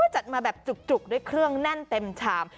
จัดมาแบบจุกด้วยเครื่องแน่นเต็มชาม